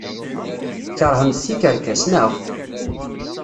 Tkeṛhemt tikerkas, naɣ?